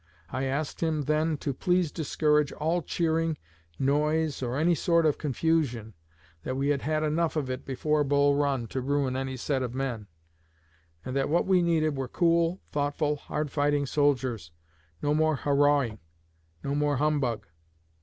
I asked him then to please discourage all cheering, noise, or any sort of confusion; that we had had enough of it before Bull Run to ruin any set of men, and that what we needed were cool, thoughtful, hard fighting soldiers no more hurrahing, no more humbug.